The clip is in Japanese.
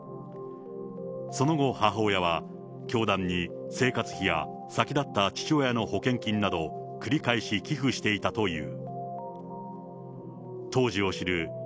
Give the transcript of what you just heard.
その後、母親は教団に生活費や先立った父の保険金などを繰り返し寄付していたという。